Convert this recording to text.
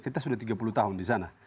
kita sudah tiga puluh tahun di sana